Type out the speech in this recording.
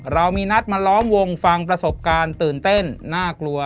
เรามีนัดมาล้อมวงฟังประสบการณ์ตื่นเต้นน่ากลัว